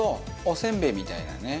おせんべいみたいなね。